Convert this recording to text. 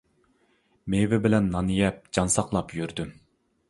مېۋە بىلەن نان يەپ جان ساقلاپ يۈردۈم.